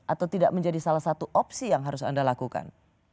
atau tidak menjadi salah satu opsi yang harus anda lakukan